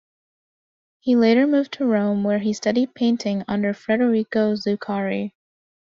He later moved to Rome where he studied painting under Federico Zuccari.